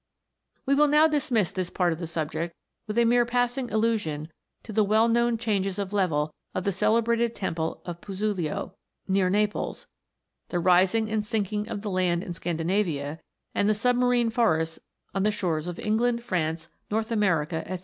We will now dismiss this part of the subject with a mere passing allusion to the well known changes of level of the celebrated temple of Puzzuoli, near Naples ; the rising and sinking of the land in Scan dinavia ; and submarine forests on the shores of England, France, North America, &c.